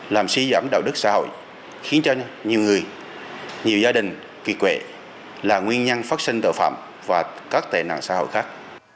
làm suy giảm đạo đức xã hội khiến cho nhiều người nhiều gia đình kỳ là nguyên nhân phát sinh tội phạm và các tệ nạn xã hội khác